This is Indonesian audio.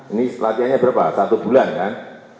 ini latihannya berapa satu bulan kan